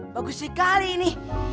bagus sekali ini